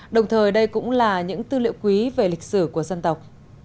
đồng thời đây cũng là những tư liệu quý về lịch sử của dân tộc